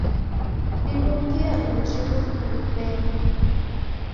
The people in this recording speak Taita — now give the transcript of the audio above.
Nidungie uji lufuw'enyi.